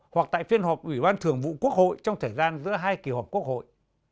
hoặc tại phiên họp ủy ban thường vụ quốc hội trong thời gian giữa hai kỳ họp quốc hội